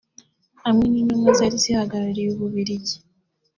hamwe n’intumwa zari zihagarariye Ububiligi